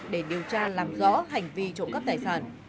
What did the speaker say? để điều tra làm rõ hành vi trộm cắp tài sản